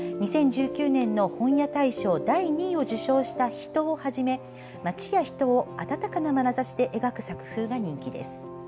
２０１９年の本屋大賞第２位を受賞した「ひと」をはじめ街や人を温かなまなざしで描く作風が人気です。